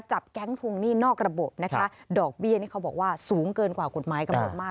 จับแก๊งทุ่งหนี้นอกระบบนะคะดอกเบี้ยนี่เขาบอกว่าสูงเกินกว่ากุฎไม้กำลังมากเลยนะคะ